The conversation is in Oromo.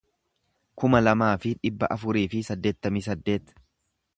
kuma lamaa fi dhibba afurii fi saddeettamii saddeet